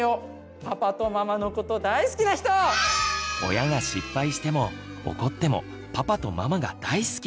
親が失敗しても怒ってもパパとママが大好き！